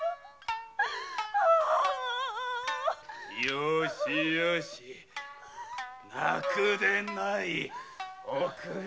「よしよし泣くでない奥方」